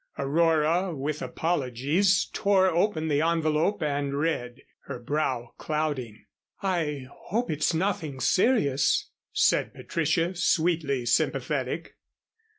Aurora with apologies tore open the envelope and read, her brow clouding. "I hope it's nothing serious," said Patricia, sweetly sympathetic.